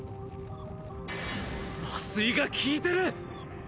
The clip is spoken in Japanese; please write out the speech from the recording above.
麻酔が効いてる！